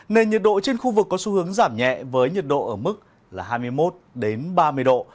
nền nhiệt độ trên khu vực có xu hướng giảm nhẹ với nhiệt độ ở mức là hai mươi một ba mươi độ